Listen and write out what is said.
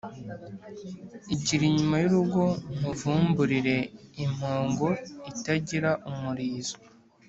Igira inyuma y'urugo nkuvumburire impongo itagira umurizo